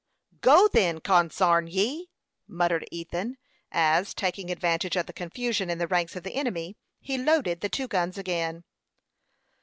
"Go then consarn ye!" muttered Ethan, as, taking advantage of the confusion in the ranks of the enemy, he loaded the two guns again.